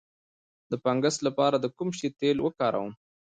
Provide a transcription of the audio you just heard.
د فنګس لپاره د کوم شي تېل وکاروم؟